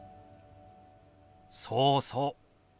そうそう！